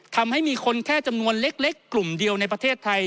ทำให้มีคนแค่จำนวนเล็กกลุ่มเดียวในประเทศไทย